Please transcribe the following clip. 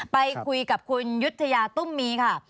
ไปคุยกับคุณยุธยาตุ้มมีค่ะ